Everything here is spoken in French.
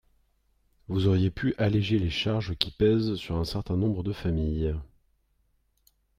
Vous auriez pu alléger les charges qui pèsent sur un certain nombre de familles.